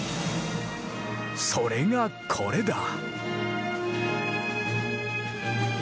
それがこれだ。